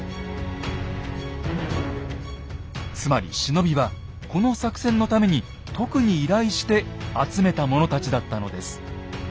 つまり忍びはこの作戦のために特に依頼して集めた者たちだったのです。